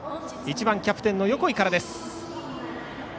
１番キャプテンの横井からです。